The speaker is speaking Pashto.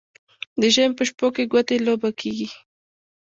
د ژمي په شپو کې ګوتې لوبه کیږي.